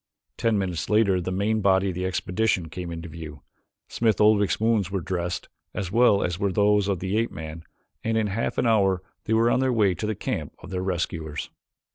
Ten minutes later the main body of the expedition came into view. Smith Oldwick's wounds were dressed, as well as were those of the ape man, and in half an hour they were on their way to the camp of their rescuers.